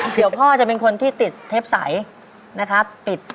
เดี๋ยวพ่อจะเป็นคนที่ติดเทปใสนะครับ